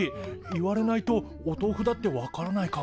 言われないとおとうふだってわからないかも。